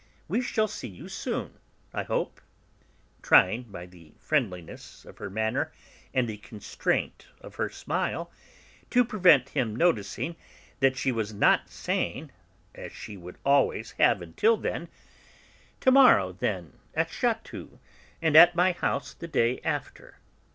We shall see you soon, I hope," trying, by the friendliness of her manner and the constraint of her smile, to prevent him from noticing that she was not saying, as she would always have until then: "To morrow, then, at Chatou, and at my house the day after."